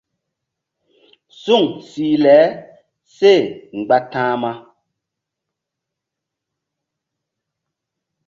Suŋ sih le seh mgba ta̧hma.